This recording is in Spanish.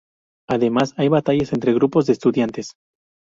Además, hay batallas entre grupos de estudiantes.